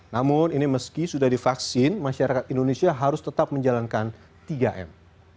namun ini meski sudah divaksin masyarakat indonesia harus tetap menjalankan tiga m